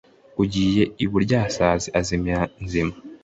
Ugiye iburyasazi azimira nzima.